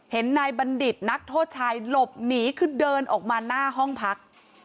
นายบัณฑิตนักโทษชายหลบหนีคือเดินออกมาหน้าห้องพัก